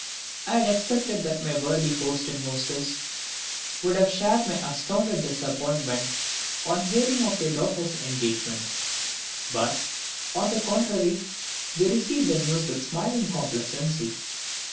I had expected that my worthy host and hostess would have shared my astounded disappointment on hearing of their daughter's engagement; but, on the contrary, they received the news with smiling complacency.